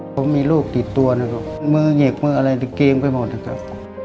ผมมีลูกติดตัวนะครับมือเหงกมืออะไรเกรงไปหมดนะครับ